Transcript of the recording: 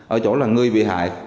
ở chỗ là người bị hại